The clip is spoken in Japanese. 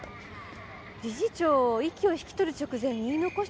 理事長息を引き取る直前に言い残したの。